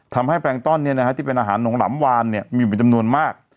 แปลงต้อนที่เป็นอาหารหงำวานมีอยู่เป็นจำนวนมาก